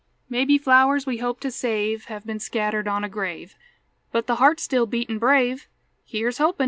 Maybe flowers we hoped to save Have been scattered on a grave; But the heart's still beatin' brave, Here's hopin'!